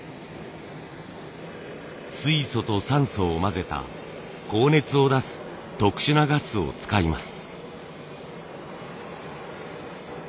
水素と酸素を混ぜた高熱を出す特殊なガスを使います。